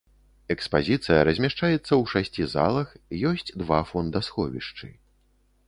Экспазіцыя размяшчаецца ў шасці залах, ёсць два фондасховішчы.